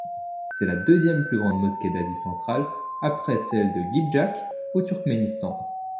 C'est la deuxième plus grande mosquée d'Asie centrale après celle de Gypjak au Turkménistan.